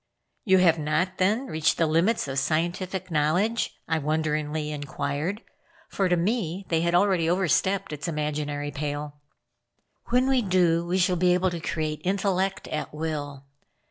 "You have not, then, reached the limits of scientific knowledge?" I wonderingly inquired, for, to me, they had already overstepped its imaginary pale. "When we do we shall be able to create intellect at will.